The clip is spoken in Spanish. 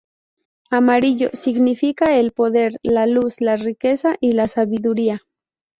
Amarillo: significa el poder, la luz, la riqueza y la sabiduría.